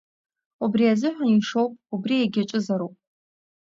Убри азыҳәан ишоуп, убри егьаҿызароуп.